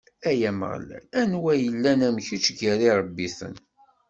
Ay Ameɣlal, anwa yellan am kečč gar iṛebbiten?